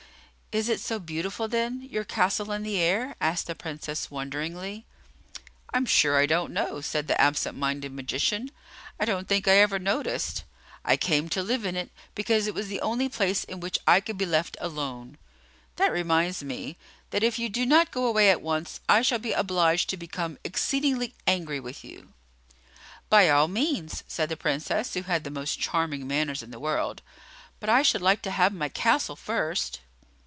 "Is it so beautiful, then, your castle in the air?" asked the Princess, wonderingly. "I'm sure I don't know," said the absent minded magician; "I don't think I ever noticed. I came to live in it, because it was the only place in which I could be left alone. That reminds me, that if you do not go away at once I shall be obliged to become exceedingly angry with you." "By all means," said the Princess, who had the most charming manners in the world; "but I should like to have my castle first."